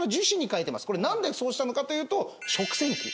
何でそうしたのかというと食洗機。